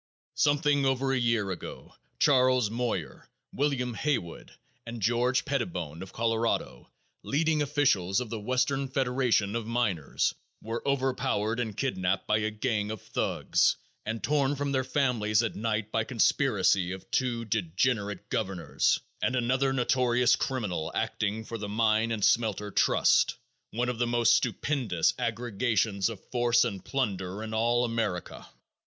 Something over a year ago Charles Moyer, William Haywood and George Pettibone, of Colorado, leading officials of the Western Federation of Miners, were overpowered and kidnaped by a gang of thugs and torn from their families at night by conspiracy of two degenerate governors and another notorious criminal acting for the Mine and Smelter Trust, one of the most stupendous aggregations of force and plunder in all America.